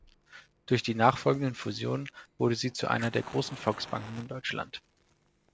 Durch die nachfolgenden Fusionen wurde sie zu einer der großen Volksbanken in Deutschland.